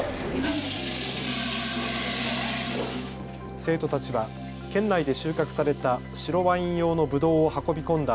生徒たちは県内で収穫された白ワイン用のぶどうを運び込んだ